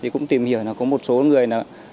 thì cũng tìm hiểu là có một số người